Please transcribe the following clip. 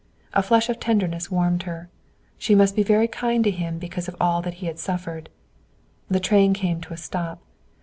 A flush of tenderness warmed her. She must be very kind to him because of all that he had suffered. The train came to a stop.